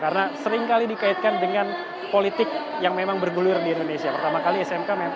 karena seringkali dikaitkan dengan politik yang memang sudah diperkenalkan oleh pemerintah dan juga pemerintah yang sudah diperkenalkan oleh pemerintah